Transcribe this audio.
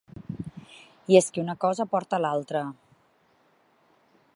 I és que un cosa porta l’altra.